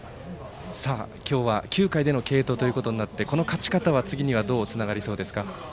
今日は９回での継投もあってこの勝ち方は次にどうつながりそうですか？